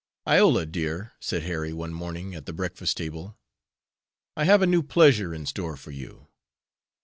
"Iola, dear," said Harry, one morning at the breakfast table, "I have a new pleasure in store for you."